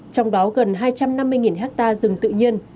trong đó gần hai trăm năm mươi hectare rừng tự nhiên